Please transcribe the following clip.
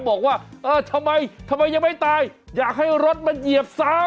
บอกว่าทำไมไม่ตายอยากให้รถมาเหยียบซ้ำ